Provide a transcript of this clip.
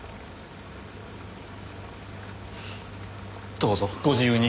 どうぞご自由に。